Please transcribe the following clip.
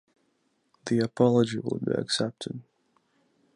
The apology will be accepted